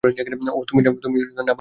ওহ, তুমি না বললে ভুলেই যেতাম!